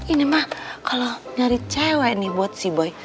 ini mah allah nyari cewek nih buat si boy